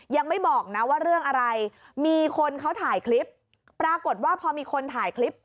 ยังไม่บอกนะว่าเรื่องอะไรมีคนเขาถ่ายคลิปปรากฏว่าพอมีคนถ่ายคลิป